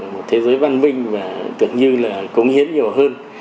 một thế giới văn minh và tưởng như là cống hiến nhiều hơn